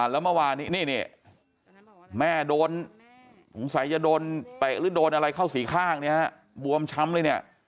แล้วเมื่อวานนี้นี่แม่โดนสงสัยจะโดนเตะหรือโดนอะไรเข้าสีข้างเนี่ยฮะบวมช้ำเลยเนี่ย